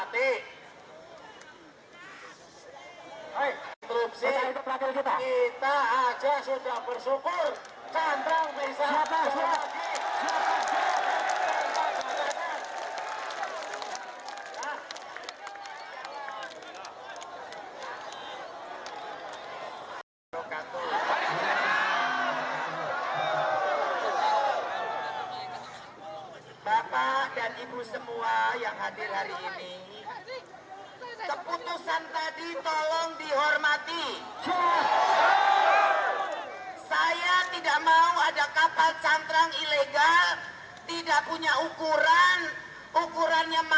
tapi semua harus berniat beralih alat tangkap